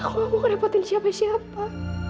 aku gak mau kerepotin siapa siapa